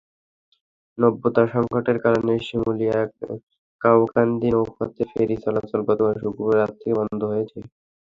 নাব্যতা সংকটের কারণে শিমুলিয়া-কাওড়াকান্দি নৌপথে ফেরি চলাচল গতকাল শুক্রবার রাত থেকে বন্ধ রয়েছে।